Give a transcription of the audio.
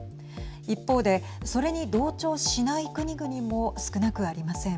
一方で、それに同調しない国々も少なくありません。